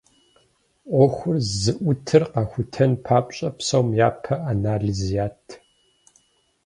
Ӏуэхур зыӏутыр къахутэн папщӏэ, псом япэ анализ ят.